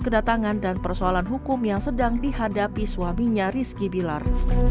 kedatangan dan persoalan hukum yang sedang dihadapi suaminya rizky bilar